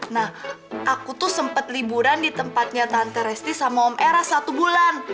nah aku tuh sempat liburan di tempatnya tante resti sama om era satu bulan